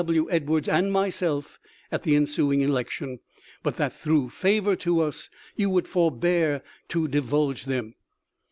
W. Edwards and myself at the ensuing election, but that through favor to us you would forbear to divulge them.